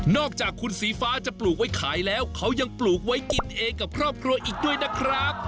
อกจากคุณสีฟ้าจะปลูกไว้ขายแล้วเขายังปลูกไว้กินเองกับครอบครัวอีกด้วยนะครับ